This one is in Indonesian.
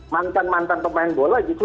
mantan mantan pemain bola justru